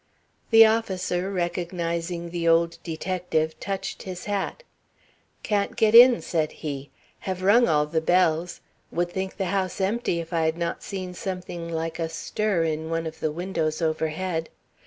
The officer, recognizing the old detective, touched his hat. "Can't get in," said he. "Have rung all the bells. Would think the house empty if I had not seen something like a stir in one of the windows overhead.